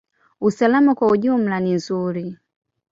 Usalama kwa ujumla ni nzuri.